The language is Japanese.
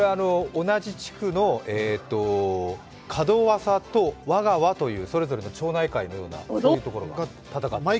同じ地区の門和佐と和川というそれぞれの町内会のようなところが戦っています。